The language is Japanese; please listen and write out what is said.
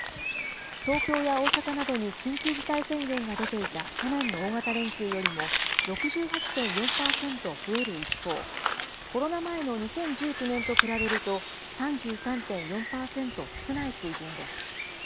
東京や大阪などに緊急事態宣言が出ていた去年の大型連休よりも６８．４％増える一方、コロナ前の２０１９年と比べると、３３．４％少ない水準です。